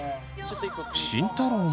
慎太郎も。